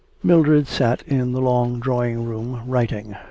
Mildred sat in the long drawing room writing.